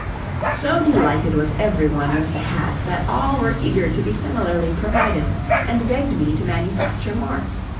So delighted was every one with the hat, that all were eager to be similarly provided, and begged me to manufacture more.